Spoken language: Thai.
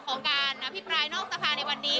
ก็กิจกรรมของการอภิปรายนอกสะพานในวันนี้